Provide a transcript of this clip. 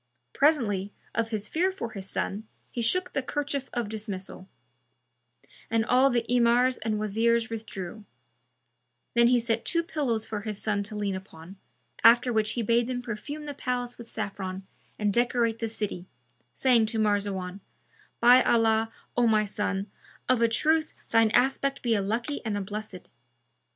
Presently, of his fear for his son, he shook the kerchief of dismissal[FN#293]; and all the Emirs and Wazirs withdrew; then he set two pillows for his son to lean upon, after which he bade them perfume the palace with saffron and decorate the city, saying to Marzawan, "By Allah, O my son, of a truth shine aspect be a lucky and a blessed!"